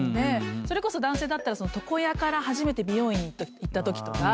それこそ男性だったら床屋から初めて美容院行ったときとか。